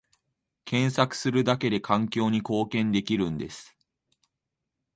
検索するだけで環境に貢献できるんです